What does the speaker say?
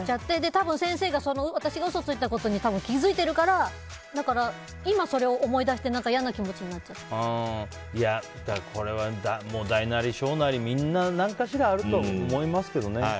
多分、先生が私が嘘ついたことに気づいてるから今それを思い出してこれは大なり小なりみんな何かしらあると思いますけどね。